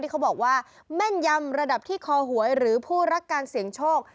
เขาบอกว่าแม่นยำระดับที่คอหวยหรือผู้รักการเสี่ยงโชค